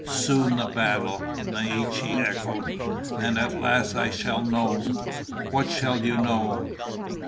"Soon the battle," Naiche echoed. "And at last I shall know." "What shall you know?"